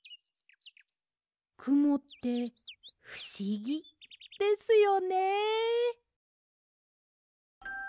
くもってふしぎですよね。